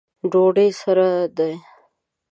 ډوډۍ سره ده